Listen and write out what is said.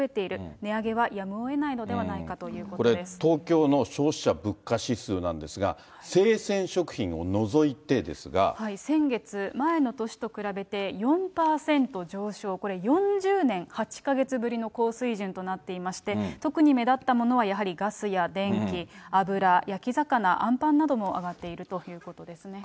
値上げはやむをえないのではないこれ、東京の消費者物価指数なんですが、先月、前の年と比べて４％上昇、これ、４０年８か月ぶりの高水準となっていまして、特に目立ったものはやはりガスや電気、油、焼き魚、あんパンなども上がっているということですね。